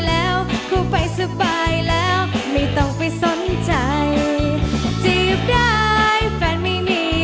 น้วยเว้นเชียร์เนี่ย